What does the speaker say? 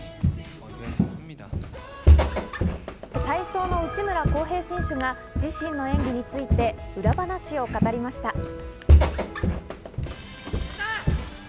体操の内村航平選手が自身の演技について裏話を語りました。